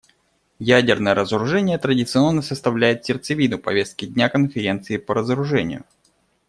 Ядерное разоружение традиционно составляет сердцевину повестки дня Конференции по разоружению.